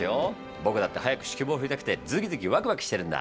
僕だって早く指揮棒振りたくてズキズキワクワクしてるんだ。